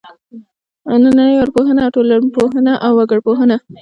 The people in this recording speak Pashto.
نننۍ ارواپوهنه او ټولنپوهنه او وګړپوهنه.